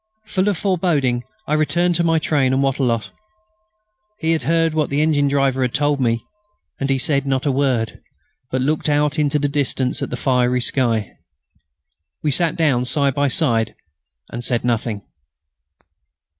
Full of foreboding, I returned to my train and Wattrelot. He had heard what the engine driver had told me, and he said not a word, but looked out into the distance at the fiery sky. We sat down side by side and said nothing.